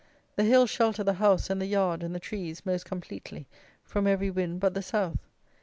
The hills shelter the house and the yard and the trees, most completely, from every wind but the south.